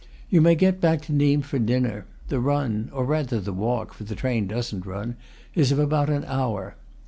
You may get back to Nimes for dinner; the run or rather the walk, for the train doesn't run is of about an hour.